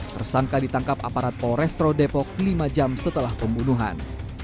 tersangka ditangkap aparat polrestro depok lima jam setelah pembunuhan